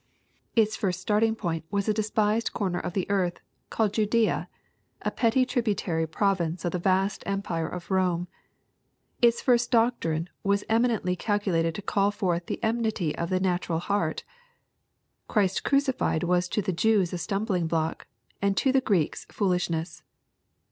— Its first starting point was a deepised LUKE^ CHAP. xin. 125 ccraer of the earth, called Judea, a petty tributary pro vince of the vast empire of Rome. — Its first doctrine was enainently calculated to call forth the enmity of the natural heart. Christ crucified was to the Jews a stumbling block, and to the Greeks foolishness.